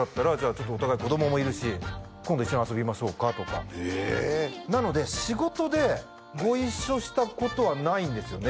ちょっとお互い子供もいるし今度一緒に遊びましょうかとかええなので仕事でご一緒したことはないんですよね